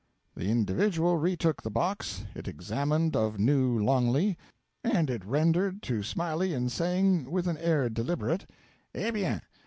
The individual retook the box, it examined of new longly, and it rendered to Smiley in saying with an air deliberate: 'Eh bien!